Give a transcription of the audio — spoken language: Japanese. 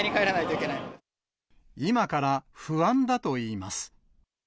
今から不安だといいます。